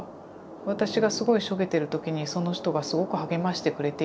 私がすごいしょげてる時にその人がすごく励ましてくれていたりだとか。